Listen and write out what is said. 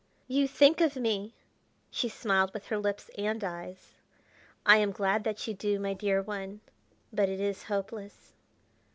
"You think of me." She smiled with her lips and eyes. "I am glad that you do, my dear one, but it is hopeless.